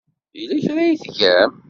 Yella kra ay tgam?